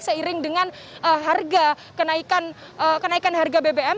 seiring dengan harga kenaikan harga bbm